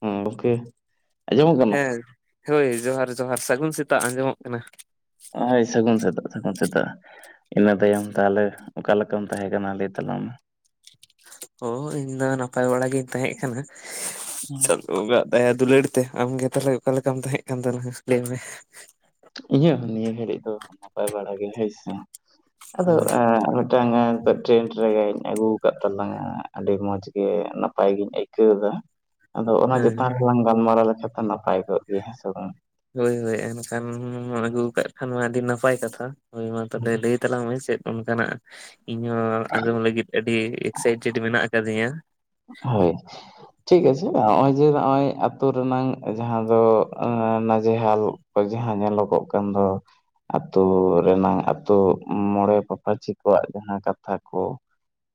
ᱦᱚᱸ ᱜᱚᱢᱠᱮ ᱦᱮᱸ ᱦᱳᱭ ᱡᱚᱦᱟᱨ ᱡᱚᱦᱟᱨ ᱥᱟᱹᱜᱩᱱ ᱥᱮᱛᱟᱜ ᱟᱸᱡᱚᱢᱚᱜ ᱠᱟᱱᱟ ᱦᱚᱭ ᱥᱟᱹᱜᱩᱱ ᱥᱮᱛᱟᱜ ᱥᱟᱹᱜᱩᱱ ᱥᱮᱛᱟᱜ ᱤᱱᱟᱹ ᱛᱟᱭᱚᱢ ᱛᱟᱦᱚᱞᱮ ᱚᱠᱟ ᱞᱮᱠᱟᱢ ᱛᱟᱦᱮᱸ ᱠᱟᱱᱟ ᱞᱟᱹᱭ ᱛᱟᱞᱟᱝ ᱢᱮ ᱚ ᱤᱧ ᱫᱚ ᱱᱟᱯᱟᱭ ᱵᱟᱲᱟ ᱜᱤᱧ ᱛᱟᱦᱮᱸᱫ ᱠᱟᱱᱟ ᱪᱟᱸᱫᱳ ᱵᱚᱸᱜᱟ ᱫᱟᱭᱟ ᱫᱩᱞᱟᱹᱲ ᱛᱮ ᱟᱢᱜᱮ ᱛᱟᱦᱚᱞᱮ ᱚᱠᱟ ᱞᱮᱠᱟᱢ ᱛᱟᱦᱮ ᱠᱟᱱ ᱛᱟᱞᱟᱝᱟ ᱞᱟᱹᱭ ᱢᱮ ᱤᱧᱟᱹᱜ ᱦᱚᱸ ᱱᱤᱭᱟᱹ ᱜᱷᱟᱹᱲᱤᱡ ᱫᱚ ᱱᱟᱯᱟᱭ ᱵᱟᱲᱟ ᱜᱮ ᱦᱳᱭ ᱥᱮ ᱟᱫᱚ [unintelligible] ᱴᱨᱮᱱ ᱨᱮᱜᱮᱧ ᱟᱹᱜᱩ ᱟᱠᱟᱫ ᱛᱟᱞᱟᱝᱟ ᱟᱹᱰᱤ ᱢᱚᱸᱡᱽ ᱜᱮ ᱱᱟᱯᱟᱭ ᱜᱤᱧ ᱟᱹᱭᱠᱟᱹᱣ ᱮᱫᱟ ᱟᱫᱚ ᱚᱱᱟ ᱦᱮᱸ ᱪᱮᱛᱟᱱ ᱨᱮᱦᱚᱸᱞᱟᱝ ᱜᱟᱞᱢᱟᱨᱟᱣ ᱞᱮᱠᱷᱟ ᱫᱚ ᱱᱟᱯᱟᱭ ᱠᱚᱜ ᱜᱮᱭᱟ ᱦᱮᱸ ᱥᱮ ᱵᱟᱝ ᱦᱳᱭ ᱦᱳᱭ ᱮᱱᱠᱷᱟᱱ ᱟᱹᱜᱩ ᱠᱟᱜ ᱠᱷᱟᱱ ᱢᱟ ᱟᱹᱰᱤ ᱱᱟᱯᱟᱭ ᱠᱟᱛᱷᱟ ᱦᱳᱭ ᱢᱟ ᱛᱟᱦᱚᱞᱮ ᱞᱟᱹᱭ ᱛᱟᱞᱟᱝ ᱢᱮ ᱪᱮᱫ ᱚᱱᱠᱟᱱᱟᱜ ᱤᱧ ᱦᱚᱸ ᱟᱸᱡᱚᱢ ᱞᱟᱹᱜᱤᱫ ᱟᱹᱰᱤ ᱮᱠᱥᱟᱭᱴᱮᱰ ᱢᱮᱱᱟᱜ ᱟᱠᱟᱫᱤᱧᱟ ᱦᱳᱭ ᱴᱷᱤᱠ ᱟᱪᱷᱮ ᱦᱚᱸᱜᱼᱚᱭ ᱡᱮ ᱱᱚᱜᱼᱚᱭ ᱟᱹᱛᱩ ᱨᱮᱱᱟᱝ ᱡᱟᱦᱟᱸ ᱫᱚ ᱱᱟᱡᱮᱦᱟᱞ ᱡᱟᱦᱟᱸ ᱧᱮᱞᱚᱜᱚᱜ ᱠᱟᱱ ᱫᱚ ᱟᱹᱛᱩ ᱨᱮᱱᱟᱝ ᱟᱛᱳ ᱢᱚᱬᱮ ᱯᱟᱯᱟᱪᱷᱤ ᱠᱚᱣᱟᱜ ᱡᱟᱦᱟᱸ ᱠᱟᱛᱷᱟ ᱠᱚ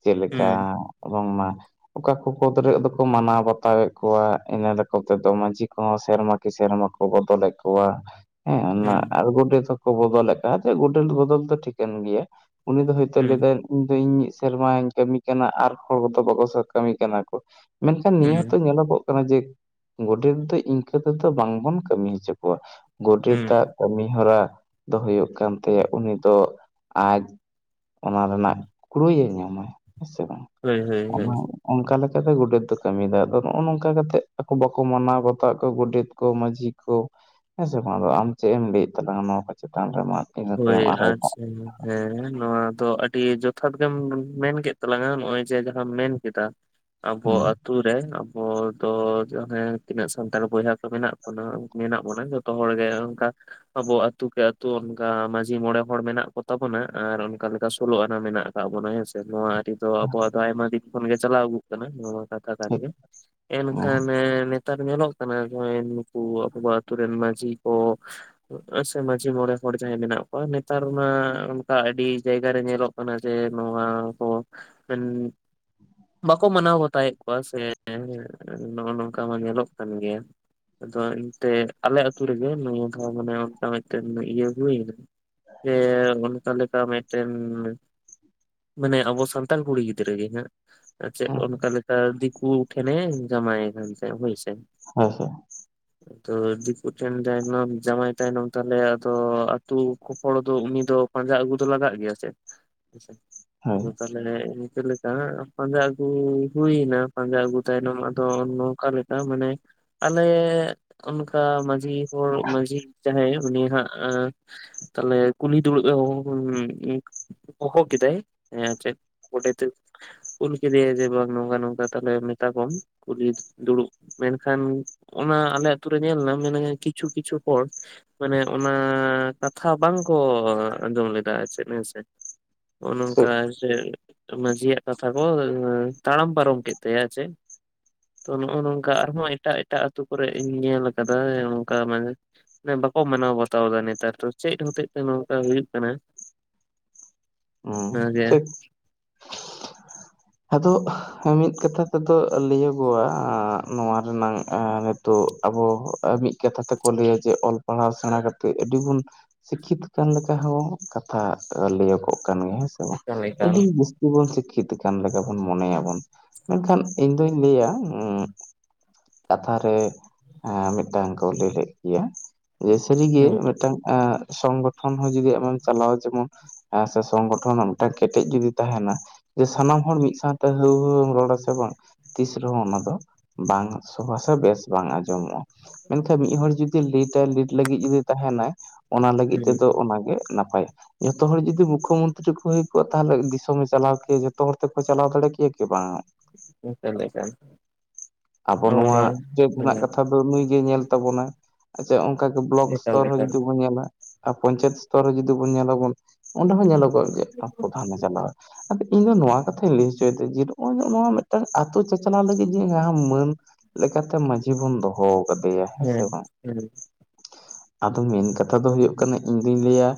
ᱪᱮᱫ ᱞᱮᱠᱟ ᱦᱩᱸ ᱨᱚᱝ ᱢᱟ ᱚᱠᱟ ᱠᱚ ᱯᱚᱫᱽ ᱨᱮ ᱚᱠᱟᱠᱚ ᱢᱟᱱᱟᱣ ᱵᱟᱛᱟᱣᱮᱫ ᱠᱚᱣᱟ ᱤᱱᱟᱹ [unintelligible] ᱛᱮᱫᱚ ᱢᱟᱹᱡᱷᱤ ᱠᱚᱦᱚᱸ ᱥᱮᱨᱢᱟ ᱠᱤ ᱥᱮᱨᱢᱟ ᱠᱚ ᱵᱚᱫᱚᱞᱮᱫ ᱠᱚᱣᱟ ᱦᱮᱸ ᱦᱩᱸ ᱟᱨ ᱜᱳᱰᱮᱛ ᱦᱚᱸᱠᱚ ᱵᱚᱫᱚᱞ ᱞᱮᱠᱟ ᱡᱮ ᱜᱳᱰᱮᱛ ᱵᱚᱫᱚᱞ ᱫᱚ ᱴᱷᱤᱠᱟᱹᱱ ᱜᱮᱭᱟ᱾ ᱩᱱᱤ ᱫᱚ ᱦᱚᱭᱛᱳ ᱦᱩᱸ ᱞᱟᱹᱭᱫᱟᱭ ᱤᱧ ᱫᱚ ᱤᱧ ᱥᱮᱨᱢᱟᱧ ᱠᱟᱹᱢᱤ ᱠᱟᱱᱟ ᱟᱨ ᱦᱚᱲ ᱠᱚᱫᱚ ᱵᱟᱠᱚ ᱠᱟᱹᱢᱤ ᱠᱟᱱᱟ ᱠᱚ᱾ ᱢᱮᱱᱠᱷᱟᱱ ᱱᱤᱭᱟᱹ ᱦᱚᱸᱛᱚ ᱦᱩᱸ ᱧᱮᱞᱚᱜᱚᱜ ᱠᱟᱱᱟ ᱡᱮ ᱜᱚᱰᱮᱛ ᱫᱚ ᱤᱱᱠᱟᱹ ᱛᱮᱫᱚ ᱵᱟᱝᱵᱚᱱ ᱠᱟᱹᱢᱤ ᱦᱚᱪᱚ ᱠᱚᱣᱟ᱾ ᱦᱩᱸ ᱜᱚᱰᱮᱛᱟᱜ ᱠᱟᱹᱢᱤ ᱦᱚᱨᱟ ᱫᱚ ᱦᱩᱭᱩᱜ ᱠᱟᱱ ᱛᱟᱭᱟ ᱩᱱᱤ ᱫᱚ ᱟᱡ ᱚᱱᱟ ᱨᱮᱱᱟᱜ ᱠᱩᱲᱩᱭᱮᱢ ᱧᱟᱢᱟ ᱦᱮᱸ ᱥᱮ ᱵᱟᱝ ᱦᱳᱭ ᱦᱳᱭ ᱦᱳᱭ ᱚᱱᱟ ᱚᱱᱠᱟ ᱞᱮᱠᱟᱛᱮ ᱜᱚᱰᱮᱛ ᱫᱚ ᱠᱟᱹᱢᱤᱭᱫᱟ ᱟᱫᱚ ᱱᱚᱜᱼᱚ ᱱᱚᱝᱠᱟ ᱠᱟᱛᱮ ᱟᱠᱚ ᱵᱟᱠᱚ ᱢᱟᱱᱟᱣ ᱵᱟᱛᱟᱣᱟᱜ ᱠᱚᱣᱟ ᱜᱚᱰᱮᱛ ᱠᱚ ᱢᱟᱺᱡᱷᱤ ᱦᱮᱸ ᱥᱮᱮ ᱵᱟᱝ ᱫᱚ ᱟᱢ ᱪᱮᱫ ᱮᱢ ᱞᱟᱹᱭᱮᱫ ᱛᱟᱞᱟᱝᱟ ᱱᱚᱣᱟ ᱠᱚ ᱪᱮᱛᱟᱱ ᱨᱮᱢᱟ? ᱦᱳᱭ ᱟᱪᱪᱷᱟ ᱦᱮᱸ ᱱᱚᱣᱟ ᱫᱚ ᱟᱹ ᱟᱹᱰᱤ ᱡᱚᱛᱷᱟᱛ ᱜᱮᱢ ᱢᱮᱱ ᱠᱮᱫ ᱛᱟᱞᱟᱝ-ᱟ ᱱᱚᱜ-ᱚᱭ ᱡᱮ ᱡᱟᱦᱟᱢ ᱢᱮᱱ ᱠᱮᱫᱟ ᱟᱵᱚ ᱟᱛᱩᱨ ᱨᱮ ᱟᱵᱚ ᱫᱚ ᱡᱟᱦᱟᱸ ᱛᱤᱱᱟᱹᱜ ᱥᱟᱱᱛᱟᱲ ᱵᱚᱭᱦᱟ ᱠᱚ ᱢᱮᱱᱟᱜ ᱵᱚᱱᱟ ᱢᱮᱱᱟᱜ ᱵᱚᱱᱟ ᱡᱚ ᱡᱚᱛᱚ ᱦᱚᱲ ᱜᱮ ᱚᱱᱠᱟ ᱟᱵᱚ ᱟᱹᱛᱩ ᱠᱮ ᱟᱹᱛᱩ ᱚᱱᱠᱟ ᱢᱺᱡᱷᱤ ᱢᱚᱬᱮ ᱦᱚᱲ ᱢᱮᱱᱟᱜ ᱠᱚᱛᱟ ᱵᱚᱱᱟ ᱟᱨ ᱚᱱᱠᱟ ᱞᱮᱠᱟ ᱥᱳᱞᱳ ᱟᱱᱟ ᱢᱮᱱᱟᱜ ᱟᱠᱟᱜ ᱵᱚᱱᱟ ᱦᱮᱸᱥᱮ ᱱᱚᱣᱟ ᱟᱹᱨᱤ ᱫᱚ ᱟᱵᱚᱣᱟᱜ ᱫᱚ ᱟᱭᱢᱟ ᱫᱤᱱ ᱠᱷᱚᱱ ᱜᱮ ᱪᱟᱞᱟᱣ ᱟᱹᱜᱩ ᱱᱚᱣᱟ ᱠᱟᱛᱷᱟ ᱠᱟᱱ ᱜᱮ ᱦᱮᱸ ᱮᱱᱠᱷᱟᱱ ᱱᱮᱛᱟᱨ ᱧᱮᱞᱚᱜ ᱠᱟᱱᱟ ᱡᱟᱸ ᱱᱩᱠᱩ ᱟᱵᱚ ᱟᱛᱩᱨ ᱨᱮᱱ ᱢᱟᱹᱡᱷᱤ ᱠᱚ ᱥᱮ ᱢᱟᱹᱡᱷᱤ ᱢᱚᱬᱮ ᱦᱚᱲ ᱡᱟᱦᱟᱸᱭ ᱢᱮᱱᱟᱜ ᱠᱚᱣᱟ ᱱᱮᱛᱟᱨ ᱢᱟ ᱚᱱᱠᱟ ᱟᱹᱰᱤ ᱡᱟᱭᱜᱟᱨ ᱨᱮ ᱧᱮᱞᱚᱜ ᱠᱟᱱᱟ ᱡᱮ ᱱᱚᱣᱟ ᱠᱚ [unintelligible] ᱵᱟᱠᱚ ᱢᱟᱱᱟᱣ ᱵᱟᱛᱟᱣᱮᱜ ᱠᱚᱣᱟ ᱥᱮ ᱱᱚᱜᱼᱚ ᱱᱚᱝᱠᱟ ᱢᱟ ᱧᱮᱞᱚᱜ ᱠᱟᱱ ᱜᱮᱭᱟ ᱟᱫᱚ ᱮᱱᱛᱮᱜ ᱟᱞᱮ ᱟᱛᱳ ᱨᱮᱜᱮ ᱱᱤᱭᱟᱹ ᱫᱷᱟ ᱢᱟᱱᱮ ᱚᱱᱠᱟ ᱢᱤᱫᱴᱮᱱ ᱤᱭᱟᱹ ᱦᱩᱭ ᱮᱱᱟ ᱡᱮ ᱚᱱᱠᱟ ᱞᱮᱠᱟ ᱢᱮᱫᱴᱮᱱ ᱢᱟᱱᱮ ᱟᱵᱚ ᱥᱟᱱᱛᱟᱲ ᱠᱩᱲᱤ ᱜᱤᱫᱽᱨᱟᱹ ᱜᱮ ᱦᱟᱸᱜ ᱪᱮᱫ ᱦᱮᱸ ᱚᱱᱠᱟ ᱞᱮᱠᱟ ᱫᱤᱠᱩ ᱴᱷᱮᱱᱮ ᱡᱟᱢᱟᱭᱮ ᱠᱟᱱ ᱛᱟᱸᱦᱮᱜ ᱦᱳᱭ ᱥᱮ ᱦᱚᱭ ᱥᱮ ᱟᱫᱚ ᱫᱤᱠᱩ ᱴᱷᱮᱱ [unintelligible] ᱡᱟᱶᱟᱭ ᱛᱟᱭᱱᱚᱢ ᱛᱟᱦᱚᱞᱮ ᱟᱫᱚ ᱟᱛᱳ ᱠᱚᱯᱚᱲ ᱫᱚ ᱩᱱᱤ ᱫᱚ ᱯᱟᱸᱡᱟ ᱟᱹᱜᱩ ᱫᱚ ᱞᱟᱜᱟᱜ ᱜᱮᱭᱟ ᱥᱮ ᱦᱮᱥᱮ ᱦᱳᱭ ᱛᱟᱦᱮ ᱤᱱᱠᱟᱹ ᱞᱮᱠᱟ ᱯᱟᱸᱡᱟ ᱟᱹᱜᱩ ᱦᱩᱭᱱᱟ ᱯᱟᱸᱡᱟ ᱟᱹᱜᱩ ᱛᱟᱭᱱᱚᱢ ᱟᱫᱚ ᱱᱚᱝᱠᱟ ᱞᱮᱠᱟ ᱟᱨ ᱢᱟᱱᱮ ᱟᱞᱮ ᱚᱱᱠᱟ ᱢᱟᱺᱡᱷᱤ ᱦᱚᱲ ᱢᱟᱺᱡᱷᱤ ᱡᱟᱦᱟᱸᱟᱦᱮ ᱩᱱᱤ ᱦᱟᱸᱜᱼᱟ ᱛᱟᱦᱞᱮ ᱠᱩᱞᱦᱤ ᱫᱩᱲᱩᱵᱼᱮ ᱦᱚ [unintelligible] ᱦᱚᱦᱚ ᱠᱮᱫᱟᱭ ᱮᱸ ᱪᱮᱜ [unintelligible] ᱠᱩᱞ ᱠᱮᱫᱤᱭᱟᱭ ᱡᱮ ᱵᱟᱝ ᱱᱚᱝᱠᱟ ᱱᱚᱝᱠᱟ ᱛᱟᱦᱞᱮ ᱢᱮᱛᱟ ᱠᱚᱢ ᱠᱩᱞᱤ ᱫᱩᱲᱩᱵ ᱢᱮᱱᱠᱷᱟᱱ ᱚᱱᱟ ᱟᱞᱮ ᱟᱛᱩᱨ ᱨᱮ ᱧᱮᱞᱱᱟ ᱢᱮᱱᱮ ᱠᱤᱪᱷᱩ ᱠᱤᱪᱷᱩ ᱦᱚᱲ ᱢᱟᱱᱮ ᱚᱱᱟ ᱠᱟᱛᱷᱟ ᱵᱟᱝᱠᱚ ᱟᱸᱡᱚᱢ ᱞᱮᱫᱟ ᱪᱮᱫ ᱦᱮᱸᱥᱮ ᱱᱚᱜ ᱱᱚᱝᱠᱟ ᱴᱷᱤᱠ ᱢᱟᱡᱷᱤᱭᱟᱜ ᱠᱟᱛᱷᱟ ᱠᱚ ᱛᱟᱲᱟᱢ ᱯᱟᱨᱚᱢ ᱠᱮᱫ ᱛᱟᱭᱟ ᱪᱮ ᱛᱚ ᱱᱚᱜᱚᱭ ᱱᱚᱝᱠᱟ ᱟᱨᱦᱚᱸ ᱮᱴᱟᱜ ᱮᱴᱟᱜ ᱟᱹᱛᱩᱳ ᱠᱚᱨᱮ ᱤᱧ ᱧᱮᱞ ᱟᱠᱟᱫᱟ ᱱᱚᱝᱠᱟ ᱢᱟᱱᱮ ᱵᱟᱠᱚ ᱢᱟᱱᱟᱣ ᱵᱟᱛᱟᱣ ᱫᱟ ᱱᱮᱛᱟᱨ ᱫᱚ ᱪᱮᱫ ᱦᱚᱛᱮᱡ ᱛᱮ ᱱᱚᱝᱠᱟ ᱦᱩᱭᱩᱜ ᱠᱟᱱᱟ ᱦᱩᱸ ᱚᱱᱟᱜᱮ ᱴᱷᱤᱠ ᱟᱫᱚ ᱢᱤᱫ ᱠᱟᱛᱷᱟ ᱛᱮᱫᱚ ᱞᱟᱹᱭᱚᱜᱼᱟ ᱱᱚᱣᱟ ᱨᱮᱱᱟᱝ ᱛᱚ ᱟᱵᱚ ᱢᱤᱫ ᱠᱟᱛᱷᱟ ᱛᱮᱠᱚ ᱞᱟᱹᱭᱟ ᱡᱮ ᱚᱞ ᱯᱟᱲᱦᱟᱣ ᱥᱮᱬᱟ ᱠᱟᱛᱮᱮᱫ ᱟᱹᱰᱤᱵᱚᱱ ᱥᱤᱠᱷᱤᱛ ᱠᱟᱱ ᱞᱮᱠᱟ ᱦᱚᱸ ᱠᱟᱛᱷᱟ ᱞᱟᱹᱭᱚᱜ ᱠᱟᱱ ᱜᱮᱭᱟ ᱦᱮᱸ ᱥᱮ ᱵᱟᱝ ᱮᱠᱟᱞ ᱮᱠᱟᱞ ᱟᱹᱰᱤ ᱡᱟᱥ ᱚᱞ ᱵᱚᱱ ᱥᱤᱠᱷᱤᱛ ᱟᱠ ᱞᱮᱠᱟ ᱵᱚᱱ ᱢᱚᱱᱮᱭᱟ ᱵᱚᱱ ᱢᱮᱱᱠᱷᱟᱱ ᱤᱧ ᱫᱩᱧ ᱞᱟᱹᱭᱟ ᱩᱸ ᱠᱟᱛᱷᱟ ᱨᱮ ᱢᱤᱫ ᱴᱟᱝ ᱠᱚ ᱞᱟᱹᱭ ᱞᱮᱫ ᱜᱮᱭᱟ ᱥᱟᱹᱨᱤᱜᱮ ᱦᱮᱸ ᱢᱤᱫ ᱴᱟᱝ ᱥᱚᱝᱜᱚᱴᱷᱚᱱ ᱦᱚᱸ ᱡᱚᱫᱤ ᱟᱢᱮᱢ ᱪᱟᱞᱟᱣᱟ ᱡᱮᱢᱚᱱ ᱥᱟᱸᱥ ᱥᱚᱝᱜᱚᱴᱷᱚᱱ ᱨᱮᱱᱟᱜ ᱢᱤᱫ ᱴᱟᱝ ᱠᱮᱴᱮᱡ ᱡᱩᱫᱤ ᱛᱟᱦᱮᱱᱟ ᱡᱮ ᱥᱟᱱᱟᱢ ᱦᱚᱲ ᱢᱤᱫ ᱥᱟᱶᱛᱮ ᱦᱟᱹᱣᱩᱦᱟᱹᱢ ᱨᱚᱲᱟ ᱥᱮᱮ ᱵᱟᱝ ᱛᱤᱥ ᱨᱮᱦᱚᱸ ᱚᱱᱟ ᱫᱚ ᱵᱟᱝ ᱥᱚᱵᱷᱟᱥ ᱵᱮᱥ ᱵᱟᱝ ᱟᱸᱡᱚᱢᱚᱜᱼᱟ᱾ ᱢᱮᱱᱠᱷᱟᱱ ᱢᱤᱫ ᱦᱚᱲ ᱡᱩᱚᱫᱤ ᱞᱤᱴᱟᱭ ᱞᱤᱴ ᱞᱟᱹᱜᱤᱫ ᱡᱩᱫᱤ ᱛᱟᱦᱮᱱᱟᱭ ᱚᱱᱟ ᱞᱟᱹᱜᱤᱫ ᱦᱮᱸ ᱛᱮᱫᱚ ᱚᱱᱟᱜ ᱜᱮ ᱱᱟᱯᱟᱭᱟ ᱡᱚᱛᱚ ᱦᱚᱲ ᱡᱩᱫᱤ ᱵ ᱢᱩᱠᱠᱷᱚ ᱢᱚᱱᱛᱨᱤ ᱠᱚ ᱦᱩᱭ ᱠᱚᱜᱼᱟ ᱛᱟᱦᱚᱞᱮ ᱫᱤᱥᱚᱢᱮ ᱪᱟᱞᱟᱣ ᱠᱮᱭᱟ ᱡᱚᱛᱚ ᱦᱚᱲ ᱛᱮᱠᱚ ᱪᱟᱞᱟᱣ ᱫᱟᱲᱮ ᱠᱮᱭᱟ ᱠᱤ ᱵᱟᱝ ᱪᱮ ᱠᱟᱱ ᱟᱵᱚ ᱱᱚᱣᱟ ᱪᱮᱫ ᱨᱮᱱᱟᱜ ᱦᱮᱸ ᱠᱟᱛᱷᱟ ᱫᱚ ᱱᱩᱭ ᱜᱮ ᱧᱮᱞ ᱛᱟᱵᱚᱱᱟ ᱟᱪᱪᱷᱟ ᱚᱱᱠᱟᱜᱮ ᱵᱞᱚᱠ ᱮᱠᱟᱞ ᱥᱛᱚᱨ ᱦᱚᱸ ᱮᱠᱟᱞ ᱡᱩᱫᱤ ᱵᱚᱱ ᱧᱮᱞᱟ ᱟᱨ ᱯᱚᱧᱪᱟᱭᱮᱛ ᱥᱛᱚᱨ ᱨᱮ ᱡᱩᱫᱤ ᱵᱚᱱ ᱧᱮᱞᱟᱵᱚᱱ ᱚᱸᱰᱮ ᱦᱚᱸ ᱧᱮᱞᱚᱜᱚᱜ ᱜᱮᱴ ᱯᱨᱚᱫᱷᱟᱱᱮ ᱪᱟᱞᱟᱜᱼᱟ ᱟᱫᱚ ᱤᱧ ᱫᱚ ᱱᱚᱣᱟ ᱠᱟᱛᱷᱟᱧ ᱞᱟᱹᱭ ᱦᱚᱪᱚᱭᱮᱫᱟ ᱡᱮ ᱱᱚᱜᱚᱭ ᱱᱚᱣᱟ ᱢᱤᱫᱴᱟᱝ ᱟᱛᱳ ᱪᱟᱪᱞᱟᱣ ᱞᱟᱹᱜᱤᱫ ᱢᱟᱹᱱ ᱞᱮᱠᱟᱛᱮ ᱢᱺᱡᱷᱤ ᱵᱚᱱ ᱫᱚᱦᱚ ᱠᱟᱫᱮᱭᱟ ᱦᱮᱸ ᱥᱮ ᱵᱟᱝ ᱟᱫᱚ ᱢᱮᱱ ᱠᱟᱛᱷᱟ ᱫᱚ ᱦᱩᱭᱩᱜ ᱠᱟᱱᱟ ᱤᱧᱫᱩᱧ ᱞᱟᱹᱭᱟ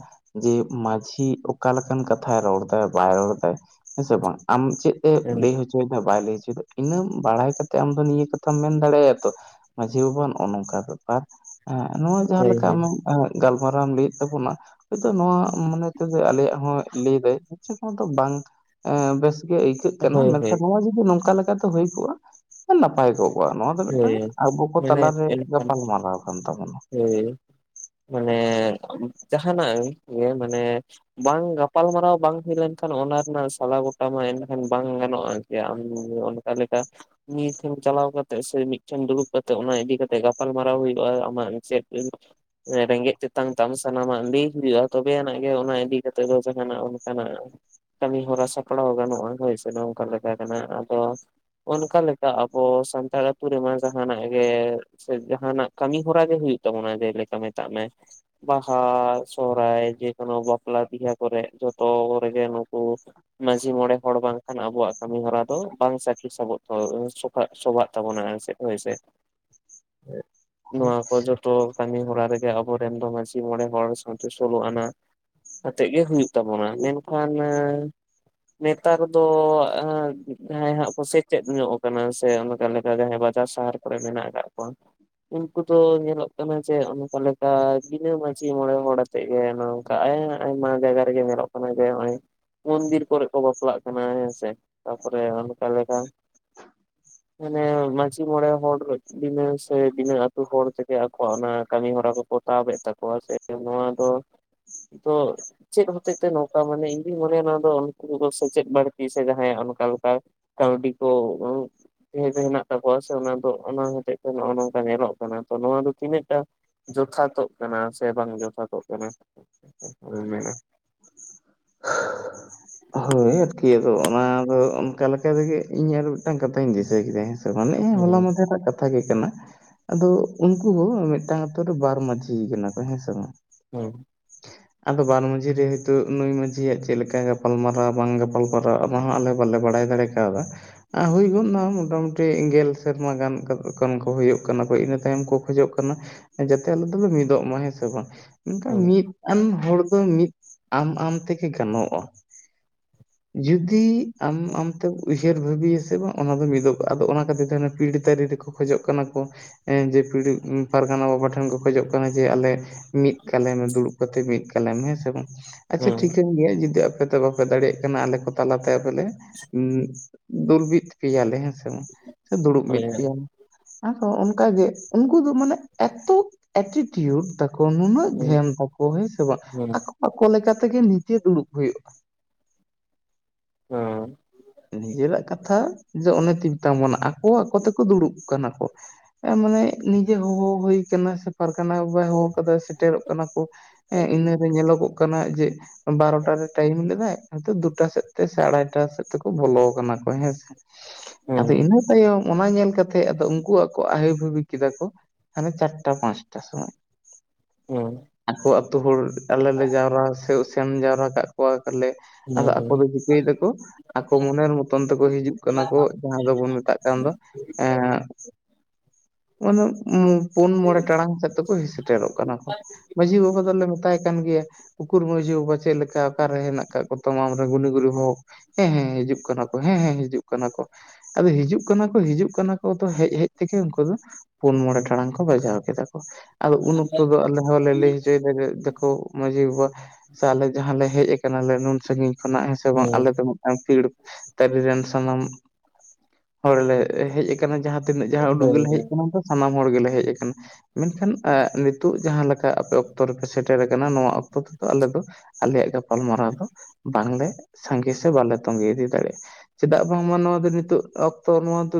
ᱡᱮ ᱢᱟᱺᱡᱷᱤ ᱚᱠᱟᱞᱮᱠᱟᱱ ᱠᱟᱛᱷᱟᱭ ᱨᱚᱲ ᱮᱫᱟ ᱵᱟᱭ ᱨᱚᱲ ᱫᱟᱭ ᱦᱮᱸᱥᱮ ᱵᱟᱝ ᱟᱢ ᱪᱮᱫ ᱦᱮᱸ ᱞᱟᱹᱭ ᱦᱚᱪᱚᱭᱮᱫᱟ ᱵᱟᱭ ᱞᱟᱹᱭ ᱦᱚᱪᱚᱭᱮᱫᱟ ᱤᱱᱟᱹ ᱵᱟᱲᱟᱭ ᱠᱟᱛᱮ ᱟᱢ ᱫᱚ ᱱᱤᱭᱟᱹ ᱠᱟᱛᱷᱟᱢ ᱢᱮᱱ ᱫᱟᱲᱮᱟᱭᱟ ᱛᱚ ᱢᱟᱺᱡᱷᱤ ᱵᱟᱵᱟ ᱱᱚᱜᱼᱚ ᱱᱚᱝᱠᱟ ᱵᱮᱯᱟᱨ ᱦᱮᱸ ᱱᱚᱣᱟ ᱡᱟᱦᱟᱸ ᱦᱳᱭ ᱞᱮᱠᱟ ᱦᱳᱭ ᱟᱢᱟᱜ ᱜᱟᱞᱢᱟᱨᱟᱣ ᱮᱢ ᱞᱟᱹᱭᱮᱫ ᱛᱟᱵᱚᱱᱟ ᱦᱟᱭᱛᱚ ᱱᱚᱣᱟ ᱢᱚᱱᱮ ᱛᱮᱫᱚ ᱟᱞᱮᱭᱟᱜ ᱦᱚᱸ ᱞᱟᱹᱭ ᱫᱟᱭ ᱵᱟᱝ ᱵᱮᱥ ᱜᱮ ᱟᱹ ᱪᱤᱠᱟᱟᱹᱜ ᱠᱟᱱᱟ ᱦᱳᱭ ᱦᱳᱭ ᱢᱮᱱᱠᱷᱟᱱ ᱱᱚᱣᱟ ᱡᱩᱫᱤ ᱱᱚᱝᱠᱟ ᱞᱮᱠᱟᱛᱮ ᱦᱩᱭ ᱠᱚᱜᱼᱟ ᱱᱟᱯᱟᱭ ᱠᱚᱜᱚᱜᱼᱟ ᱱᱚᱣᱟ ᱢᱤᱫᱴᱟᱝ ᱦᱳᱭ ᱟᱵᱚ ᱠᱚ ᱢᱟᱱᱮ ᱛᱟᱞᱟᱨᱮ ᱜᱟᱯᱟᱞ ᱢᱟᱨᱟᱨᱟᱣ ᱠᱟᱱ ᱛᱟᱵᱚᱱᱟ ᱦᱮᱸ ᱢᱟᱱᱮ ᱡᱟᱦᱟᱱᱟᱜ ᱜᱮ ᱢᱟᱱᱮ ᱵᱟᱝ ᱜᱟᱯᱟᱞᱢᱟᱨᱟᱣ ᱵᱟᱝ ᱦᱩᱭ ᱞᱮᱱᱠᱷᱟᱱ ᱚᱱᱟ ᱨᱮᱱᱟᱜ ᱥᱟᱞᱟ ᱜᱚᱴᱟ ᱢᱟ ᱮᱱᱠᱷᱟᱱ ᱵᱟᱝ ᱜᱟᱱᱚᱜᱼᱟ ᱟᱢ ᱛᱮ ᱞᱮᱠᱟ ᱱᱤᱭᱟᱹ ᱴᱷᱮᱱ ᱪᱟᱞᱟᱣ ᱠᱟᱛᱮ ᱥᱮ ᱢᱤᱫᱴᱷᱮᱱ ᱫᱩᱲᱩᱵ ᱠᱟᱛᱮᱫ ᱚᱱᱟ ᱤᱫᱤ ᱠᱟᱛᱮᱜ ᱜᱟᱯᱟᱞ ᱢᱟᱨᱟᱨᱟᱣ ᱦᱩᱭᱩᱜᱼᱟ ᱟᱢᱟᱜ ᱪᱮᱫ ᱨᱮᱸᱜᱮᱡ ᱛᱮᱛᱟᱝ ᱛᱟᱢ ᱥᱟᱱᱟᱢᱟᱜ ᱞᱟᱹᱭ ᱦᱩᱭᱩᱜᱼᱟ ᱛᱚᱵᱮ ᱟᱱᱟᱜ ᱜᱮ ᱚᱱᱟ ᱤᱫᱤ ᱠᱟᱛᱮᱜ ᱫᱚ ᱡᱟᱦᱱᱟᱜ ᱚᱱᱠᱟᱱᱟᱜ ᱠᱟᱹᱢᱤᱦᱚᱨᱟ ᱥᱟᱯᱲᱟᱣ ᱜᱟᱱᱚᱜᱼᱟ ᱦᱳᱭ ᱥᱮ ᱱᱚᱝᱠᱟ ᱞᱮᱠᱟ ᱠᱟᱱᱟ ᱟᱫᱚ ᱚᱱᱠᱟ ᱞᱮᱠᱟ ᱟᱵᱚ ᱥᱟᱱᱛᱟᱲ ᱟᱹᱛᱩ ᱨᱮᱢᱟ ᱡᱟᱦᱟᱱᱟᱜ ᱜᱮ ᱥᱮ ᱡᱟᱦᱟᱱᱟᱜ ᱠᱟᱹᱢᱤ ᱦᱚᱨᱟ ᱜᱮ ᱦᱩᱭᱩᱜ ᱛᱟᱵᱚᱱᱟ ᱡᱮᱞᱮᱠᱟ ᱢᱮᱛᱟᱜ ᱢᱮ ᱵᱟᱦᱟ ᱥᱚᱦᱦᱟᱭ ᱡᱮᱠᱳᱱᱳ ᱵᱟᱯᱞᱟ ᱵᱤᱦᱟᱹ ᱠᱚᱨᱮ ᱡᱚᱛᱚ ᱠᱚᱨᱮᱜᱮ ᱱᱩᱠᱩ ᱢᱟᱺᱡᱷᱤ ᱢᱚᱬᱮ ᱦᱚᱲ ᱵᱟᱝᱠᱷᱟᱱ ᱟᱵᱚᱣᱟᱜ ᱠᱟᱹᱢᱤ ᱦᱚᱨᱟ ᱫᱚ ᱵᱟᱝ ᱪᱟᱹᱠᱤ ᱥᱟᱵᱚᱜ ᱛᱟ ᱥᱟᱜ ᱥᱚᱵᱟᱜ [inaudible] ᱦᱩᱭᱥᱮ ᱱᱚᱣᱟ ᱠᱚ ᱡᱚ ᱡᱚᱛᱚ ᱠᱟᱹᱢᱤ ᱦᱚᱨᱟ ᱨᱮᱜᱮ ᱟᱵᱚᱨᱮᱱ ᱫᱚ ᱢᱟᱺᱡᱷᱤ ᱢᱚᱬᱮ ᱦᱚᱲ ᱥᱟᱶᱛᱮ ᱥᱳᱞᱳ ᱟᱱᱟ ᱟᱛᱮᱜᱮ ᱦᱩᱭᱩᱜ ᱛᱟᱵᱚᱱᱟ ᱢᱮᱱᱠᱷᱟᱱ ᱱᱮᱛᱟᱨ ᱫᱚ ᱡᱟᱦᱟᱸᱭ ᱦᱟᱸᱜ ᱠᱚ ᱥᱮᱪᱮᱫ ᱧᱚᱜ ᱠᱟᱱᱟ ᱥᱮ ᱚᱱᱟᱠᱟ ᱵᱟᱡ ᱥᱟᱦᱟᱨ ᱠᱚᱨᱮ ᱢᱮᱱᱟᱜ ᱠᱟᱜ ᱠᱚᱭᱟ ᱩᱱᱠᱩ ᱫᱚ ᱧᱮᱞᱚᱜ ᱠᱟᱱᱟ ᱡᱮ ᱚᱱᱠᱟ ᱞᱮᱠᱟ ᱵᱤᱱᱟᱹ ᱢᱟᱹᱡᱷᱤ ᱢᱚᱬᱮ ᱦᱚᱬᱮ ᱮᱫ ᱜᱮ ᱱᱚᱝᱠᱟ ᱟᱭᱢᱟ ᱡᱟᱭᱜᱟ ᱨᱮᱜᱮ ᱧᱮᱞᱚᱜ ᱠᱟᱱᱟ ᱡᱮ ᱱᱚᱜᱼᱚᱭ ᱢᱩᱱᱫᱤᱨ ᱠᱚᱨᱮ ᱠᱚ ᱵᱟᱯᱞᱟᱜ ᱠᱟᱱᱟ ᱦᱮᱸᱥᱮ ᱛᱟ ᱯᱚᱨᱮ ᱚᱱᱠᱟ ᱞᱮᱠᱟ ᱢᱟᱱᱮ ᱢᱟᱺᱡᱷᱤ ᱢᱚᱬᱮ ᱦᱚᱲ ᱵᱤᱱᱟᱹ ᱥᱮ ᱵᱤᱱᱟᱹ ᱟᱹᱛᱩ ᱦᱚᱲ ᱛᱮᱜᱮ ᱟᱠᱚᱣᱟᱜ ᱚᱱᱟ ᱠᱟᱹᱢᱤ ᱦᱚᱨᱟ ᱠᱚ ᱯᱚᱛᱟᱣᱵ ᱮᱫ ᱠᱚᱣᱟ ᱛᱟᱠᱚᱣᱟ ᱥᱮ ᱱᱚᱣᱟ ᱫᱚ ᱪᱮᱫ ᱦᱚᱛᱮᱡ ᱛᱮ ᱱᱚᱝᱠᱟ ᱢᱟᱱᱮ ᱤᱧ ᱫᱩᱧ ᱢᱚᱱᱮᱭᱟ ᱚᱱᱟ ᱫᱚ ᱩᱱᱠᱩ ᱥᱮᱪᱮᱫ ᱵᱟᱹᱲᱛᱤ ᱥᱮ ᱡᱟᱦᱟᱸᱭᱟᱜ ᱚᱱᱠᱟ ᱞᱮᱠᱟ ᱠᱟᱹᱣᱰᱤ ᱠᱚ ᱦᱮᱱᱟᱜ ᱛᱟᱠᱚᱣᱟ ᱥᱮ ᱚᱱᱟ ᱫᱚ ᱚᱱᱟ ᱦᱚᱛᱮᱡ ᱛᱮ ᱱᱚᱜ ᱚᱭ ᱱᱚᱝᱠᱟ ᱧᱮᱞᱚᱜ ᱠᱟᱱᱟ ᱛᱚ ᱱᱚᱣᱟ ᱫᱚ ᱛᱤᱱᱟᱹᱜ‌ ᱴᱟ ᱡᱚᱛᱷᱟᱛ ᱛᱚᱜ ᱠᱟᱱᱟ ᱥᱮ ᱵᱟᱝ ᱡᱚᱛᱷᱟᱛ ᱛᱚᱜ ᱠᱟᱱᱟ ᱢᱮᱱᱟ [unintelligible] ᱟᱫᱚ ᱚᱱᱟᱫᱚ ᱚᱱᱠᱟ ᱞᱮᱠᱟ ᱛᱮᱜᱮ ᱤᱧ ᱟᱨ ᱢᱤᱫᱴᱟᱝ ᱠᱟᱛᱷᱟᱧ ᱫᱤᱥᱟᱹ ᱠᱮᱫᱟ ᱢᱟᱱᱮ ᱦᱩᱸ ᱦᱚᱞᱟ ᱢᱟᱫᱷᱮᱨᱟᱹᱜ ᱠᱟᱛᱷᱟ ᱜᱮ ᱠᱟᱱᱟ ᱟᱫᱚ ᱩᱱᱠᱩ ᱦᱚᱸ ᱢᱤᱫᱴᱟᱝ ᱟᱛᱳ ᱨᱮ ᱵᱟᱨ ᱢᱟᱹᱡᱷᱤ ᱠᱟᱱᱟ ᱠᱚ ᱦᱮᱸ ᱥᱮ ᱵᱟᱝ ᱦᱮᱸ ᱟᱫᱚ ᱵᱟᱨ ᱢᱟᱺᱡᱷᱤ ᱨᱮ ᱦᱚᱭᱛᱳ ᱱᱩᱭ ᱢᱟᱡᱷᱤᱭᱟᱜ ᱪᱮᱫ ᱞᱮᱠᱟ ᱜᱟᱯᱟᱞ ᱢᱟᱨᱟᱣ ᱵᱟᱝ ᱜᱟᱯᱟᱞ ᱜᱟᱯᱟᱞ ᱢᱟᱨᱟᱣ ᱚᱱᱟ ᱦᱚᱸ ᱟᱞᱮ ᱵᱟᱞᱮ ᱵᱟᱲᱟᱭ ᱫᱟᱲᱮ ᱠᱟᱣᱫᱟ ᱟᱨ ᱦᱩᱭ ᱜᱚᱫ ᱮᱱᱟ ᱢᱚᱴᱟᱢᱩᱴᱤ ᱜᱮᱞ ᱥᱮᱨᱢᱟ ᱜᱟᱱ ᱠᱚ ᱦᱩᱭᱩᱜ ᱠᱟᱱᱟ ᱠᱚ ᱤᱱᱟᱹ ᱛᱟᱭᱚᱢ ᱠᱚ ᱠᱷᱚᱡᱚᱜ ᱠᱟᱱᱟ ᱡᱟᱛᱮ ᱟᱞᱮ ᱫᱚᱞᱮ ᱢᱤᱫᱚᱜ ᱢᱟ ᱦᱮᱸ ᱥᱮ ᱵᱟᱝ ᱢᱮᱱᱠᱷᱟᱱ ᱦᱩᱸ ᱢᱤᱫ ᱟᱱ ᱦᱚᱲ ᱫᱚ ᱢᱤᱫ ᱟᱢ ᱟᱢ ᱛᱮᱜᱮ ᱜᱟᱱᱚᱜᱼᱟ ᱡᱩᱫᱤ ᱟᱢ ᱟᱢ ᱛᱮᱢ ᱩᱭᱦᱟᱹᱨ ᱵᱷᱟᱹᱵᱤᱭᱟ ᱥᱮ ᱵᱟᱝ ᱚᱱᱟ ᱫᱚ ᱢᱤᱫᱚᱜᱼᱟ ᱟᱫᱚ ᱚᱱᱟ ᱠᱷᱟᱹᱛᱤᱨ ᱛᱮ ᱯᱤᱲ ᱛᱟᱹᱨᱮ ᱨᱮᱠᱚ ᱠᱷᱚᱡᱚᱜ ᱠᱟᱱᱟ ᱠᱚ ᱡᱮ ᱯᱤᱲ ᱯᱟᱨᱜᱟᱱᱟ ᱵᱟᱵᱟ ᱴᱷᱮᱱ ᱠᱚ ᱠᱷᱚᱡᱚᱜ ᱠᱟᱱᱟ ᱡᱮ ᱟᱞᱮ ᱢᱤᱫ ᱠᱟᱞᱮ ᱢᱮ ᱫᱩᱲᱩᱵ ᱠᱟᱛᱮ ᱢᱤᱫ ᱠᱟᱞᱮᱢᱮ ᱦᱮᱸᱥᱮ ᱵᱟᱝ ᱟᱪ ᱪᱷᱟ ᱦᱩᱸ ᱴᱷᱤᱠᱟᱹᱱ ᱜᱤᱭᱟ ᱡᱩᱫᱤ ᱟᱯᱮ ᱛᱮ ᱵᱟᱯᱮ ᱫᱟᱲᱮᱭᱟᱜ ᱟᱞᱮ ᱠᱚ ᱛᱟᱞᱟᱛᱮ ᱛᱟᱦᱮᱞᱮ ᱫᱩᱞᱵᱤᱛ ᱯᱮᱭᱟᱞᱮ ᱦᱮᱸ ᱥᱮ ᱵᱟᱝ ᱥᱮ ᱫᱩᱲᱩᱵ ᱦᱳᱭ ᱢᱤᱫ ᱦᱳᱭ ᱯᱮᱭᱟᱞᱮ ᱟᱨᱦᱚ ᱚᱱᱠᱟᱜ ᱜᱮ ᱩᱱᱠᱩ ᱫᱚ ᱢᱟᱱᱮ ᱮᱛᱚ ᱮᱴᱤᱴᱤᱭᱩᱴ ᱛᱟᱠᱚ ᱱᱩᱱᱟᱹᱜ ᱦᱩᱸ ᱜᱷᱮᱢ ᱛᱟᱠᱚ ᱦᱮᱸ ᱥᱮ ᱵᱟᱝ ᱦᱩᱸ ᱟᱠᱚ ᱟᱠᱚ ᱞᱮᱠᱟ ᱞᱮᱠᱟᱛᱮᱜᱮ ᱱᱤᱡᱮ ᱫᱩᱲᱩᱵ ᱦᱩᱭᱩᱜᱼᱟ ᱦᱮᱸ ᱱᱤᱡᱮᱨᱟᱜ ᱠᱟᱛᱷᱟ ᱡᱮ ᱚᱱᱮ ᱛᱚᱧ ᱢᱮᱛᱟᱢ ᱠᱟᱱᱟ ᱟᱠᱚ ᱟᱠᱚ ᱛᱮᱠᱚ ᱫᱩᱲᱩᱵ ᱠᱟᱱᱟ ᱠᱚ ᱮ ᱢᱟᱱᱮ ᱱᱤᱡᱮ ᱦᱚ ᱦᱚ ᱦᱩᱭ ᱠᱟᱱᱟ ᱥᱮ ᱯᱟᱨᱽᱜᱟᱱᱟ ᱵᱟᱵᱟᱭ ᱦᱚ ᱦᱚ ᱥᱮᱴᱮᱨᱚᱜ ᱠᱟᱱᱟ ᱠᱚ ᱦᱮᱸ ᱤᱱᱟᱹᱨᱮ ᱧᱮᱞᱚᱜᱚᱜ ᱠᱟᱱᱟ ᱡᱮ ᱵᱟᱨᱚᱴᱟ ᱨᱮ ᱴᱟᱭᱤᱢ ᱞᱮᱫᱟᱭ ᱦᱚᱭᱛᱚ ᱫᱩᱴᱟ ᱥᱮᱫ ᱛᱮ ᱥᱮ ᱟᱲᱟᱭᱴᱟ ᱥᱮᱫ ᱛᱮᱠᱚ ᱵᱚᱞᱚ ᱠᱟᱱᱟ ᱠᱚ ᱦᱮᱸᱥᱮ ᱦᱩᱸ ᱟᱫᱚ ᱤᱱᱟᱹ ᱛᱟᱭᱚᱢ ᱚᱱᱟ ᱧᱮᱞ ᱠᱟᱛᱮ ᱛᱮ ᱟᱫᱚ ᱩᱝᱠᱩᱣᱟᱜ ᱠᱚ ᱟᱭᱤ ᱵᱷᱟᱵᱤ ᱠᱮᱫᱟ ᱠᱚ ᱦᱟᱱᱮ ᱪᱟᱨᱴᱟ ᱯᱟᱸᱪᱴᱟ ᱥᱚᱢᱚᱭ ᱦᱩᱸ ᱟᱠᱚ ᱟᱹᱛᱩ ᱦᱚᱲ ᱟᱞᱮ ᱞᱮ ᱡᱟᱣᱨᱟ ᱥᱮ ᱥᱮᱱ ᱡᱟᱣᱨᱟ ᱠᱟᱜ ᱠᱚᱣᱟᱞᱮ ᱦᱩᱸ ᱟᱫᱚ ᱟᱠ ᱫᱚ‌ ᱡᱩᱫᱤ [unintelligible] ᱠᱚ ᱟᱠᱚ ᱢᱚᱱᱮᱨ ᱢᱚᱛᱚᱱ ᱛᱮᱠᱚ ᱦᱤᱡᱩᱜ ᱠᱟᱱᱟ ᱠᱚ ᱡᱟᱦᱟᱸ ᱫᱚᱵᱚᱱ ᱢᱮᱛᱟᱜ ᱠᱟᱱ ᱫᱚ ᱮᱸ ᱢᱟᱱᱮ ᱯᱩᱱ ᱢᱚᱬᱮ ᱴᱟᱲᱟᱝ ᱥᱮᱫ ᱛᱮᱠᱚ ᱦᱮᱡ ᱥᱮᱴᱮᱨᱚᱜ ᱠᱟᱱᱟ ᱠᱚ ᱢᱟᱺᱡᱷᱤ ᱵᱟᱵᱟ ᱫᱚᱞᱮ ᱢᱮᱛᱟᱭ ᱠᱟᱱ ᱜᱮᱭᱟ ᱩᱠᱩᱨ ᱢᱟᱺᱡᱷᱤ ᱵᱟᱵᱟ ᱪᱮᱫ ᱞᱮᱠᱟ ᱚᱠᱟᱨᱮ ᱦᱮᱱᱟᱜ ᱠᱟᱜ ᱠᱚ ᱛᱟᱢᱟ ᱟᱢᱨᱮᱱ ᱜᱩᱱᱤ ᱜᱩᱨᱩ ᱦᱚᱲ ᱦᱮᱸ ᱦᱮᱸ ᱦᱤᱡᱩᱜ ᱠᱟᱱᱟ ᱠᱚ ᱦᱮᱸ ᱦᱮᱸ ᱦᱤᱡᱩᱜ ᱠᱟᱱᱟ ᱠᱚ ᱟᱫᱚ ᱦᱤᱡᱩᱜ ᱠᱟᱱᱟ ᱠᱚ ᱦᱤᱡᱩᱜ ᱠᱟᱱᱟ ᱠᱚ ᱦᱮᱡ ᱦᱮᱡ ᱛᱮᱜᱮ ᱩᱱᱠᱩ ᱫᱚ ᱯᱩᱱ ᱢᱚᱬᱮ ᱴᱟᱲᱟᱝ ᱠᱚ ᱵᱟᱡᱟᱣ ᱠᱮᱫᱟ ᱠᱚ ᱟᱫᱚ ᱩᱱ ᱚᱠᱛᱚ ᱫᱚ ᱟᱞᱮ ᱦᱚᱸᱞᱮ ᱞᱟᱹᱭ ᱦᱚᱪᱚᱭ ᱫᱟ ᱡᱮ ᱫᱮᱠᱷᱚ ᱢᱺᱡᱷᱤ ᱵᱟᱵᱟ ᱥᱮ ᱟᱞᱮ ᱡᱟᱦᱟᱸᱞᱮ ᱦᱮᱡ ᱟᱠᱟᱱᱟᱞᱮ ᱱᱩᱱ ᱥᱟᱺᱜᱤᱧ ᱠᱷᱚᱱᱟᱜ ᱦᱮᱸ ᱥᱮ ᱵᱟᱝ ᱦᱩᱸ ᱟᱞᱮ ᱫᱚ ᱯᱷᱤᱲ ᱛᱟᱹᱨᱤ ᱨᱤᱱ ᱥᱟᱱᱟᱢ ᱦᱚᱲ ᱞᱮ ᱦᱮᱡ ᱟᱠᱟᱱᱟ ᱡᱟᱦᱟᱸ ᱛᱤᱱᱟᱹᱜ ᱡᱟᱦᱟᱸ ᱩᱰᱩ ᱦᱳᱭ ᱜᱮᱞᱮ ᱦᱮᱡ ᱦᱳᱭ ᱠᱟᱱᱟ ᱛᱚ ᱥᱟᱱᱟᱢ ᱦᱚᱲ ᱜᱮᱞᱮ ᱦᱮᱡ ᱟᱠᱟᱱᱟ ᱢᱮᱱᱠᱷᱟᱱ ᱱᱤᱛᱚᱜ ᱡᱟᱦᱟᱸ ᱞᱮᱠᱟ ᱟᱯᱮ ᱚᱠᱛᱚ ᱨᱮᱯᱮ ᱥᱮᱴᱮᱨ ᱠᱟᱹᱱᱟ ᱱᱚᱣᱟ ᱚᱠᱛᱚ ᱛᱮᱫᱚ ᱟᱞᱮ ᱫᱚ ᱟᱞᱮᱭᱟᱜ ᱜᱟᱯᱟᱞᱢᱟᱨᱟᱣ ᱫᱚ ᱵᱟᱝᱞᱮ ᱥᱟᱸᱜᱮ ᱥᱮ ᱵᱟᱞᱮ ᱛᱚᱝᱜᱮ ᱤᱫᱤ ᱫᱟᱲᱮᱭᱟᱜᱼᱟ ᱪᱮᱫᱟᱜ ᱵᱟᱝᱢᱟ ᱱᱚᱣᱟ ᱫᱚ ᱱᱤᱛᱚᱜ ᱚᱠᱛᱚ ᱱᱚᱣᱟ ᱫᱚ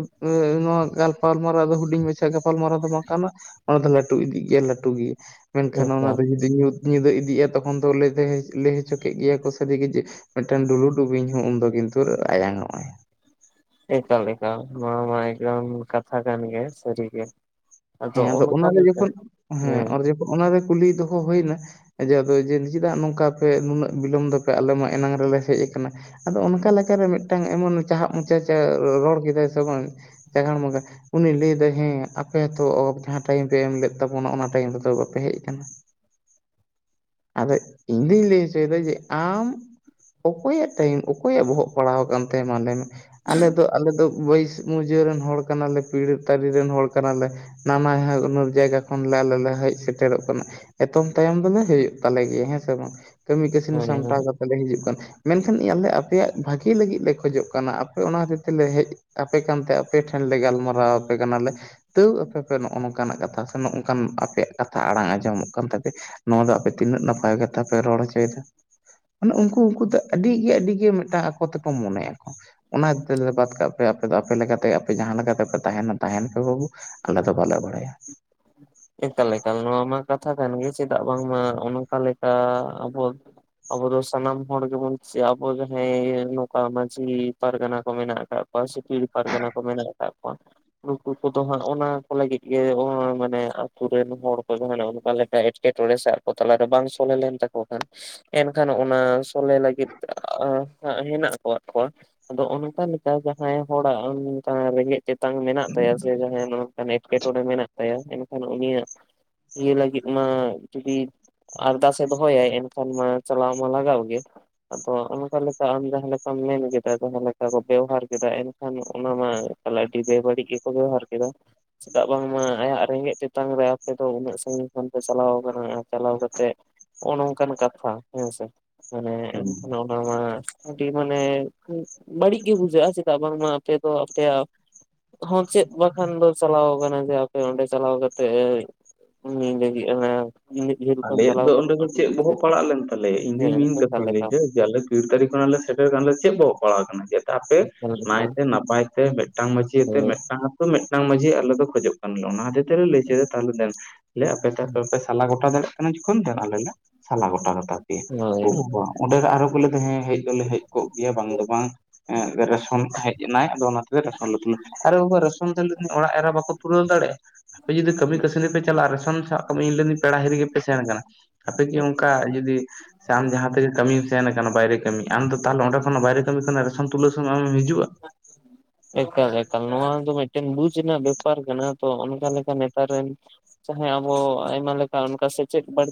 ᱱᱚᱣᱟ ᱜᱟᱯᱟᱞᱢᱟᱨᱟᱣ ᱫᱚ ᱦᱩᱰᱤᱧ ᱢᱟᱪ ᱜᱟᱯᱟᱞᱢᱟᱨᱟᱣ ᱫᱚ ᱵᱟᱝ ᱠᱟᱱᱟ ᱚᱱᱟ ᱫᱚ ᱞᱟᱹᱴᱩ ᱤᱫᱤᱜ ᱜᱮᱭᱟ ᱞᱟᱹᱴᱩ ᱜᱤ ᱢᱮᱱᱠᱷᱟᱱ ᱚᱱᱟ ᱮᱠᱟᱞ ᱫᱚ ᱡᱩᱫᱤ ᱧᱩᱛ ᱧᱤᱫᱟᱹ ᱤᱫᱤᱜᱼᱟ ᱛᱚᱠᱷᱚᱱ ᱫᱚ ᱞᱟᱹᱭ ᱫᱟᱭ ᱞᱟᱹᱭ ᱦᱚᱪᱚ ᱠᱮᱫ ᱜᱮᱭᱟ ᱠᱚ ᱥᱟᱹᱨᱤᱜᱮ ᱡᱮ ᱢᱤᱫᱴᱟᱝ ᱰᱩᱞᱩᱰᱩᱤᱧ ᱦᱮᱸ ᱩᱱ ᱫᱚ ᱠᱤᱱᱛᱩ ᱟᱭᱟᱝᱚᱜ-ᱟᱭ ᱮᱠᱟᱞ ᱮᱠᱟᱞ ᱱᱚᱣᱟ ᱢᱟ ᱮᱠᱟᱞ ᱠᱟᱛᱷᱟ ᱠᱟᱱ ᱜᱮᱭᱟ ᱥᱟᱹᱨᱤ ᱜᱮ ᱦᱮᱸ ᱟᱫᱚ ᱚᱱᱠᱟ ᱚᱱᱟᱨᱮ ᱞᱮᱠᱟ ᱡᱚᱠᱷᱚᱱ ᱦᱮᱸ ᱟᱨ ᱡᱚᱠᱷᱚᱱ ᱚᱱᱟᱨᱮ ᱠᱩᱞᱤ ᱫᱚᱦᱚ ᱦᱩᱭᱱᱟ ᱡᱮᱫᱚ ᱡᱮ ᱪᱮᱫᱟᱜ ᱱᱚᱝᱠᱟᱯᱮ ᱱᱩᱱᱟᱹᱜ ᱵᱤᱞᱚᱢ ᱫᱟᱯᱮ ᱟᱞᱮ ᱢᱟ ᱮᱱᱟᱝ ᱨᱮᱞᱮ ᱦᱮᱡ ᱠᱟᱱᱟ ᱟᱫᱚ ᱚᱱᱠᱟ ᱞᱮᱠᱟᱨᱮ ᱢᱤᱫᱴᱟᱝ ᱮᱢᱚᱱ ᱪᱟᱦᱟᱵᱽ ᱢᱚᱪᱟ ᱪᱟᱭ ᱨᱚᱲ ᱠᱮᱫᱟᱭ ᱥᱮ ᱵᱟᱝ ᱪᱟᱜᱟᱲ ᱢᱳᱪᱟ ᱩᱱᱤ ᱞᱮᱹᱭᱫᱟᱭ ᱦᱮᱸ ᱟᱯᱮ ᱛᱚ ᱡᱟᱦᱟᱸ ᱴᱟᱭᱤᱢ ᱯᱮ ᱮᱢ ᱞᱮᱫ ᱛᱟᱵᱚᱱᱟ ᱚᱱᱟ ᱴᱟᱭᱤᱢ ᱨᱮᱫᱚ ᱵᱟᱯᱮ ᱦᱮᱡ ᱠᱟᱱᱟ ᱟᱫᱚ ᱤᱫ ᱫᱩᱧ ᱞᱟ. ᱭ ᱦᱚᱪᱚᱭᱮᱫᱟ ᱡᱮ ᱟᱢ ᱚᱠᱚᱭᱟᱜ ᱴᱟᱭᱤᱢ ᱚᱠᱚᱭᱟᱜ ᱵᱚᱦᱚᱜ ᱯᱟᱲᱟᱣ ᱟᱠᱟᱱ ᱛᱟᱭᱟ ᱢᱟ ᱞᱮᱭ ᱢᱮ ᱟᱞᱮ ᱫᱚ ᱟᱞᱮ ᱫᱚ ᱵᱟᱹᱭᱤᱥ ᱢᱩᱡᱟᱹ ᱨᱮᱱ ᱦᱚᱲ ᱠᱟᱱᱟᱞᱮ ᱯᱤᱲᱦᱤ ᱛᱟᱹᱨᱤ ᱨᱮᱱ ᱦᱚᱲ ᱠᱟᱱᱟ ᱞᱮ ᱚᱱᱟ ᱢᱟ ᱦᱮᱸ ᱩᱢᱩᱠ ᱡᱟᱭᱜᱟ ᱠᱷᱚᱱ ᱟᱞᱮ ᱞᱮ ᱦᱮᱡ ᱥᱮᱴᱮᱨᱚᱜ ᱠᱟᱱᱟ ᱮᱛᱚᱢ ᱛᱟᱭᱚᱢ ᱫᱚᱢᱮ ᱦᱳᱭᱳᱜ ᱛᱟᱞᱮ ᱜᱮᱭᱟ ᱦᱮᱸᱥᱮ ᱵᱟᱝ ᱠᱟᱹᱢᱤ ᱠᱟᱹᱥᱱᱤ ᱦᱳᱭ ᱦᱳᱭ ᱥᱟᱢᱴᱟᱣ ᱠᱟᱛᱮ ᱞᱮ ᱦᱤᱡᱩᱜ ᱠᱟᱱᱟ ᱢᱮᱱᱠᱷᱟᱱ ᱟᱞᱮ ᱟᱯᱮᱭᱟᱜ ᱵᱷᱟᱜᱤ ᱞᱟᱹᱜᱤᱫ ᱞᱮ ᱠᱷᱚᱡᱚᱜ ᱠᱟᱱᱟ ᱟᱯᱮ ᱚᱱᱟ ᱦᱚᱛ ᱛᱮᱞᱮ ᱦᱮᱡ ᱟᱯᱮ ᱠᱟᱱᱛᱮ ᱟᱯᱮᱴᱷᱮᱱ ᱞᱮ ᱜᱟᱞᱢᱟᱨᱟᱣ ᱟᱯᱮ ᱠᱟᱱᱟᱞᱮ ᱛᱟᱹᱣ ᱟᱯᱮ ᱟᱯᱮ ᱱᱚᱜᱼᱚ ᱱᱚᱝᱠᱟᱱᱟᱜ ᱠᱟᱛᱷᱟ ᱥᱮ ᱱᱚᱜ ᱱᱚᱝᱠᱟᱱ ᱟᱯᱮᱭᱟᱜ ᱠᱟᱛᱷᱟ ᱟᱲᱟᱝ ᱟᱸᱡᱚᱢᱚᱜ ᱠᱟᱱ ᱛᱟᱯᱮᱭᱟ ᱱᱚᱣᱟ ᱫᱚ ᱟᱯᱮ ᱛᱤᱱᱟᱹᱜ ᱱᱟᱯᱟᱭ ᱠᱟᱛᱷᱟ ᱯᱮ ᱨᱚᱲ ᱦᱚᱪᱚᱭᱮᱫᱟ ᱩᱱᱠᱩ ᱩᱱᱠᱩ ᱫᱚ ᱟᱹᱰᱤ ᱜᱮ ᱟᱹᱰᱤ ᱜᱮ ᱢᱤᱫᱴᱟᱝ ᱟᱠᱚ ᱛᱮᱠᱚ ᱢᱚᱱᱮᱜ ᱟᱠᱚ ᱚᱱᱟ ᱛᱮᱫᱚ ᱵᱟᱫ ᱠᱟᱜ ᱯᱮ ᱟᱯᱮ ᱟᱯᱮ ᱞᱮᱠᱟᱛᱮ ᱟᱯᱮ ᱡᱟᱦᱟᱸ ᱞᱮᱠᱟᱛᱮ ᱯᱮ ᱛᱟᱦᱮᱱᱟ ᱛᱟᱦᱮᱸᱱ ᱯᱮ ᱵᱟᱹᱵᱩ ᱟᱞᱮ ᱫᱚ ᱵᱟᱞᱮ ᱵᱟᱲᱟᱭᱟ ᱮᱱᱠᱟ ᱞᱮᱠᱟ ᱱᱚᱣᱟ ᱢᱟ ᱠᱟᱛᱷᱟ ᱠᱟᱱ ᱜᱮ ᱪᱮᱫᱟᱜ ᱵᱟᱝᱢᱟ ᱚᱱᱠᱟ ᱞᱮᱠᱟ ᱟᱵᱚ ᱟᱵᱚ ᱫᱚ ᱥᱟᱱᱟᱢ ᱦᱚᱲ ᱜᱮᱵᱚᱱ ᱪᱼᱟ ᱟᱵᱚ ᱡᱟᱦᱟᱸᱭ ᱱᱚᱝᱠᱟ ᱢᱟᱺᱡᱷᱤ ᱯᱟᱨᱜᱟᱱᱟ ᱠᱚ ᱢᱮᱱᱟᱜ ᱟᱠᱟᱫ ᱯᱟ ᱥᱮ [unintelligible] ᱠᱟᱨᱜᱟᱱᱟ ᱠᱚ ᱢᱮᱱᱟᱜ ᱠᱟᱜ ᱠᱚᱣᱟ ᱱᱩᱠᱩ ᱠᱚᱫᱚ ᱦᱟᱸᱜ ᱚᱱᱟ ᱠᱚ ᱞᱟᱹᱜᱤᱫ ᱜᱮ ᱢᱟᱱᱮ ᱟᱹᱛᱩ ᱨᱮᱱ ᱦᱚᱲ ᱠᱚ ᱡᱟᱦᱟᱱᱟᱜ ᱚᱱᱠᱟ ᱞᱮᱠᱟ ᱮᱴᱠᱮᱴᱚᱬᱮ ᱥᱮ ᱟᱠᱚ ᱛᱟᱞᱟᱨᱮ ᱵᱟᱝ ᱥᱚᱞᱮ ᱞᱮᱱ ᱛᱟᱠᱚ ᱠᱷᱟᱱ ᱮᱱᱠᱷᱟᱱ ᱚᱱᱟ ᱥᱚᱞᱦᱮ ᱞᱟᱹᱜᱤᱫ [unintelligible] ᱦᱮᱱᱟᱜ ᱠᱚᱫ ᱠᱚᱣᱟ ᱟᱫᱚ ᱚᱱᱠᱟ ᱞᱮᱠᱟ ᱡᱟᱦᱟᱸᱭ ᱦᱚᱲᱟᱜ ᱚᱱᱠᱟ ᱨᱮᱸᱜᱮᱡ ᱪᱮᱛᱟᱝ ᱢᱮᱱᱟᱜ ᱛᱟᱭᱟ ᱥᱮ ᱡᱟᱦᱟᱸᱭ ᱱᱚᱝᱠᱟᱱ ᱮᱸᱴᱠᱮᱴᱚᱬᱮ ᱢᱮᱱᱟᱜ ᱛᱟᱭᱟ ᱟᱱ ᱩᱱᱤᱭᱟᱜ ᱤᱭᱟᱹ ᱞᱟᱹᱜᱤᱫ ᱢᱟ ᱡᱩᱫᱤ ᱟᱨᱫᱟᱥ ᱮ ᱫᱚᱦᱚᱭᱟᱭ ᱮᱱᱟᱼᱼ ᱠᱷᱟᱱ ᱢᱟ ᱪᱟᱞᱟᱣ ᱢᱟ ᱞᱟᱜᱟᱜ ᱜᱮ ᱟᱫᱚ ᱚᱱᱠᱟ ᱞᱮᱠᱟ ᱟᱢ ᱡᱟᱦᱟᱸ ᱞᱮᱠᱟᱢ ᱢᱮᱱ ᱠᱮᱫᱟ ᱡᱟᱦᱟᱸ ᱞᱮᱠᱟ ᱠᱚ ᱵᱮᱣᱦᱟᱨ ᱠᱮᱫᱟ ᱮᱱᱠᱷᱟᱱ ᱚᱱᱟ ᱢᱟ ᱛᱟᱦᱚᱞᱮ ᱟᱹᱰᱤ ᱵᱮᱵᱟᱹᱲᱤᱡ ᱜᱮᱠᱚ ᱵᱮᱵᱚᱦᱟᱨ ᱠᱮᱫᱟ ᱪᱮᱫᱟᱜ ᱵᱟᱝᱢᱟ ᱟᱭᱟᱜ ᱨᱮᱸᱜᱮᱡ ᱛᱮᱛᱟᱝ ᱨᱮ ᱟᱯᱮ ᱫᱚ ᱩᱱᱟᱹᱜ ᱥᱟᱺᱜᱤᱧ ᱠᱷᱚᱱ ᱯᱮ ᱪᱟᱞᱟᱣ ᱟᱠᱟᱱᱟ ᱪᱟᱞᱟᱣ ᱠᱟᱛᱮ ᱱᱚᱜᱼᱚ ᱱᱚᱝᱠᱟᱱ ᱠᱟᱛᱷᱟ ᱦᱮᱸᱥᱮ ᱢᱟᱱᱮ ᱦᱩᱸ ᱮᱱᱠᱷᱟᱱ ᱵᱟᱝ ᱟᱹᱰᱤ ᱢᱟᱱᱮ ᱵᱟᱹᱲᱤᱡ ᱜᱮ ᱵᱩᱡᱷᱟᱹᱜᱼᱟ ᱪᱮᱫᱟᱜ ᱵᱟᱝᱢᱟ ᱟᱯᱮ ᱫᱚ ᱟᱯᱮᱭᱟᱜ ᱦᱚᱸ ᱪᱮᱫ ᱵᱟᱠᱷᱟᱱ ᱫᱚ ᱪᱟᱞᱟᱣ ᱠᱟᱱᱟ ᱡᱮ ᱟᱯᱮ ᱚᱸᱰᱮ ᱪᱟᱞᱟᱣ ᱛᱮ ᱟᱡ ᱩᱱᱤ ᱞᱟ. ᱜᱤᱫ ᱦᱚᱸ [unintelligible] ᱟᱞᱮᱭᱟᱜ ᱫᱚ ᱚᱸᱰᱮ ᱫᱚ ᱪᱮᱫ ᱵᱚᱦᱚᱜ ᱯᱟᱲᱟᱜ ᱞᱮᱱ ᱛᱟᱞᱮᱭᱟ ᱤᱧ ᱫᱩᱧ ᱦᱮᱸ ᱢᱮᱱ ᱮᱠᱟᱞ ᱠᱟᱛᱷᱟᱧ ᱞᱟᱹᱭ ᱮᱠᱟᱞ ᱡᱮ ᱟᱞᱮ ᱠᱤᱲ ᱛᱟᱹᱨᱤ ᱠᱷᱚᱱᱟᱜ ᱞᱮ ᱥᱮᱴᱮᱨ ᱠᱷᱚᱱᱟᱜ ᱞᱮ ᱥᱮᱴᱮᱨ ᱠᱟᱱᱟᱞᱮ ᱪᱮᱫ ᱵᱚ ᱯᱟᱲᱟᱣ ᱟᱠᱟᱱᱟ ᱪᱮᱫ ᱛᱟᱯᱮ ᱮᱠᱟᱞ ᱱᱟᱭ ᱮᱠᱟᱞ ᱛᱮ ᱱᱟᱯᱟᱭ ᱛᱮ ᱢᱤᱫᱴᱟᱝ ᱢᱟᱺᱡᱷᱤ ᱛᱮ ᱦᱳᱭ ᱢᱤᱫᱴᱟᱝ ᱢᱤᱫᱴᱟᱝ ᱢᱟᱡᱷᱤ ᱟᱞᱮ ᱫᱚ ᱠᱷᱚᱡᱚᱜ ᱠᱟᱱᱟᱞᱮ ᱚᱱᱟ ᱞᱮ ᱞᱟᱹᱭᱪᱚᱭᱟ ᱛᱟᱦᱚᱞᱮ ᱫᱮᱱ ᱟᱯᱮ ᱥᱟᱞᱟ ᱜᱚᱴᱟ ᱫᱟᱲᱮᱭᱟᱜ ᱠᱟᱱᱟ ᱡᱚᱠᱷᱚᱱ ᱫᱮ ᱟᱞᱮ ᱞᱮ ᱥᱟᱞᱟ ᱜᱚᱴᱟ ᱠᱟ ᱛᱟᱯᱮᱭᱟ ᱦᱳᱭ ᱳ ᱵᱟᱵᱟ ᱚᱸᱰᱮ ᱫᱚ ᱟᱨᱦᱚ ᱠᱚ ᱞᱟ. ᱭ ᱠᱮᱫᱟ ᱦᱮᱸ ᱦᱮᱡ ᱫᱚᱞᱮ ᱦᱮᱡ ᱠᱚᱜ ᱜᱮᱭᱟ ᱵᱟᱝ ᱫᱚ ᱵᱟᱝ ᱮ ᱨᱮᱥᱚᱱ ᱦᱮᱡ ᱮᱱᱟᱭ ᱟᱫᱚ ᱟᱞᱮ ᱨᱮᱥᱚᱱ ᱞᱮ ᱛᱩᱞᱟ. ᱣ ᱠᱮᱫᱟ ᱟᱨᱮ ᱵᱟᱵᱟ ᱨᱮᱥᱚᱱ ᱛᱩᱞᱟ. ᱣ ᱨᱤᱱᱤᱡ ᱚᱲᱟᱜ ᱮᱨᱟ ᱵᱟᱠᱚ ᱛᱩᱞᱟᱹᱣ ᱫᱟᱲᱮᱭᱟᱜᱼᱟ ᱟᱯᱮ ᱡᱩᱫᱤ ᱠᱟᱹᱢᱤ ᱠᱟᱹᱥᱱᱤ ᱯᱮ ᱪᱟᱞᱟᱜᱼᱟ ᱨᱮᱥᱚᱱ ᱪᱷᱟᱼᱼ ᱛᱚᱵᱮ ᱤᱧ ᱞᱟ. ᱱᱤᱧ ᱯᱮᱲᱟ ᱦᱤᱨᱤᱜ ᱜᱮᱯᱮ ᱥᱮᱱ ᱟᱠᱟᱱᱟ ᱟᱯᱮ ᱠᱤ ᱚᱱᱠᱟ ᱡᱩᱫᱤ ᱥᱮ ᱟᱢ ᱡᱟᱦᱟᱸ ᱛᱮᱜᱮ ᱠᱟᱹᱢᱤ ᱥᱮᱱ ᱠᱟᱱᱟ ᱵᱟᱭᱨᱮ ᱠᱟᱹᱢᱤ ᱟᱢᱫᱚ ᱛᱟᱦᱚᱞᱚ ᱚᱸᱰᱮ ᱠᱷᱚᱱ ᱵᱟᱭᱨᱮ ᱠᱟᱹᱢᱤ ᱠᱷᱚᱱᱟᱜ ᱨᱮᱥᱚᱱ ᱛᱩᱞᱟᱹᱣ ᱥᱚᱢᱚᱭ ᱟᱢᱮᱢ ᱦᱤᱡᱩᱜᱼᱟ ᱮᱠᱟᱞ ᱮᱠᱟᱞ ᱱᱚᱣᱟ ᱫᱚ ᱢᱤᱫᱴᱮᱱ ᱵᱩᱡᱽ ᱨᱮᱱᱟᱜ ᱵᱮᱯᱟᱨ ᱠᱟᱱᱟ ᱛᱚ ᱚᱱᱠᱟ ᱞᱮᱠᱟ ᱱᱮᱛᱟᱨ ᱨᱮᱱ ᱪᱟᱦᱮᱸ ᱟᱵᱚ ᱟᱭᱢᱟ ᱞᱮᱠᱟ ᱚᱱᱠᱟ ᱥᱮᱪᱮᱫ ᱵᱟᱹᱲᱛᱼᱼ